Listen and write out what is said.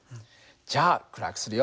じゃあ暗くするよ。